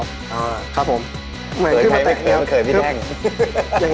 เผยเข่ยพี่ด้านจนให้ด่วน